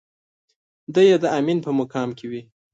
دی يې د امين په مقام کې وي.